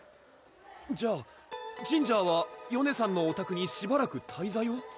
じゃあジンジャーはよねさんのお宅にしばらく滞在を？